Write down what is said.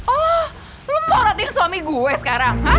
oh lu morotin suami gue sekarang hah